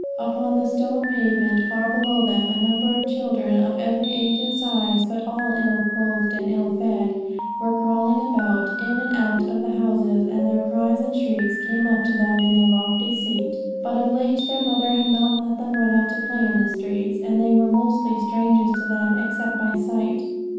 Upon the stone pavement far below them a number of children of every age and size, but all ill clothed and ill fed, were crawling about, in and out of the houses, and their cries and shrieks came up to them in their lofty seat; but of late their mother had not let them run out to play in the streets, and they were mostly strangers to them except by sight.